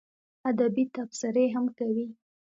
ادبي تبصرې هم کوي.